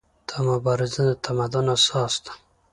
دا مبارزه د تمدن اساس ده.